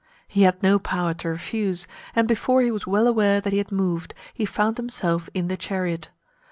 He had no power to refuse, and before he was well aware that he had moved, he found himself in the chariot.